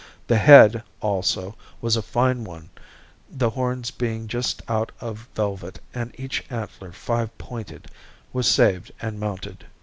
The head, also, was a fine one the horns being just out of velvet and each antler five pointed, was saved and mounted.